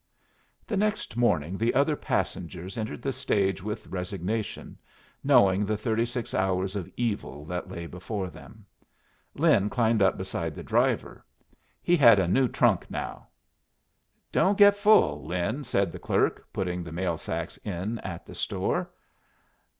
The next morning the other passengers entered the stage with resignation, knowing the thirty six hours of evil that lay before them. Lin climbed up beside the driver. He had a new trunk now. "Don't get full, Lin," said the clerk, putting the mail sacks in at the store.